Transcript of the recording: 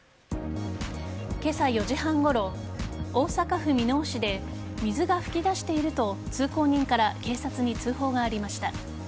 今朝４時半ごろ大阪府箕面市で水が噴き出していると通行人から警察に通報がありました。